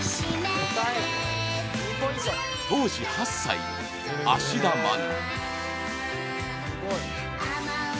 当時８歳、芦田愛菜！